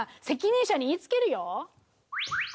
責任者に言いつけるよ。